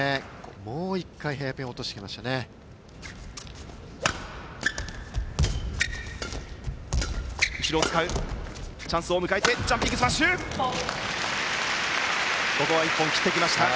もう１回ヘアピンを落としてきましたね。